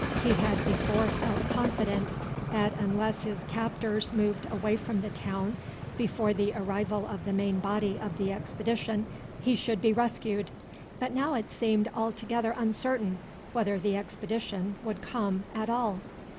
He had before felt confident that unless his captors moved away from the town before the arrival of the main body of the expedition he should be rescued, but now it seemed altogether uncertain whether the expedition would come at all.